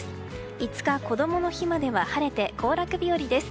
５日、こどもの日までは晴れて行楽日和です。